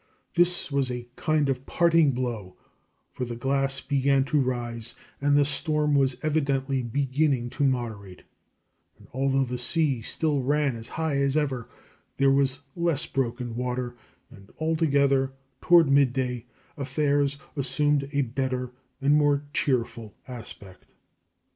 This was a kind of parting blow; for the glass began to rise, and the storm was evidently beginning to moderate, and although the sea still ran as high as ever there was less broken water, and altogether, toward midday, affairs assumed a better and more cheerful aspect.